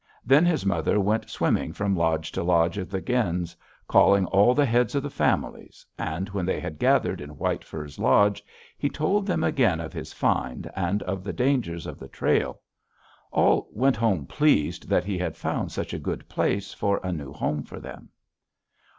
Then his mother went swimming from lodge to lodge of the gens, calling all the heads of the families, and when they had gathered in White Fur's lodge he told again of his find and of the dangers of the trail. All went home pleased that he had found such a good place for a new home for them.